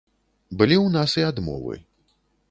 Былі ў нас і адмовы.